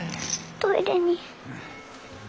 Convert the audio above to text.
トイレに。